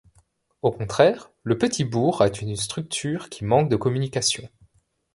Au contraire le petit bourg à une structure qui manque de communications.